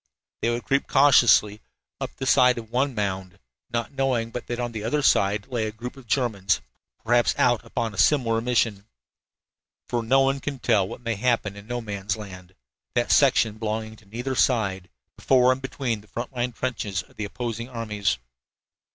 They would creep cautiously up the side of one mound, not knowing but that on the other side lay a group of Germans, perhaps out upon a similar mission. For no one can tell what may happen in No Man's Land that section belonging to neither side, before and between the front line trenches of the opposing armies.